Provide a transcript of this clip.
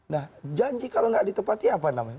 nah janji kalau nggak ditepati apa namanya